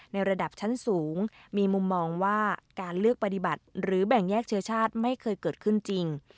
ระดับชั้นสูงมีมุมมองว่าการเลือกปฏิบัติหรือแบ่งแยกเชื้อชาติไม่เคยเกิดขึ้นจริง